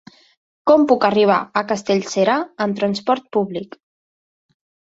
Com puc arribar a Castellserà amb trasport públic?